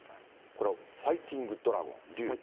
これはファイティングドラゴン、龍。